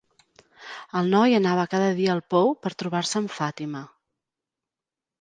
El noi anava cada dia al pou per trobar-se amb Fatima.